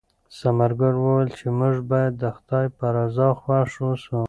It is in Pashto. ثمرګل وویل چې موږ باید د خدای په رضا خوښ اوسو.